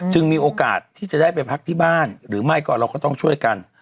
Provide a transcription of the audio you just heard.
มีโอกาสที่จะได้ไปพักที่บ้านหรือไม่ก็เราก็ต้องช่วยกัน